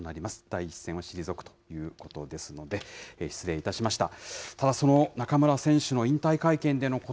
第一線を退くということですので、失礼いたしました。